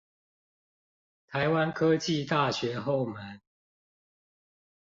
臺灣科技大學後門